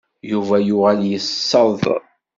Yuba yuɣal yesseḍ.